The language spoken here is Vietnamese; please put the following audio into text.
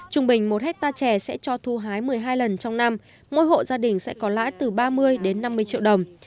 trung bình một hectare trẻ sẽ cho thu hái một mươi hai lần trong năm mỗi hộ gia đình sẽ có lãi từ ba mươi đến năm mươi triệu đồng